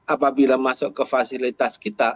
apabila masuk ke fasilitas kita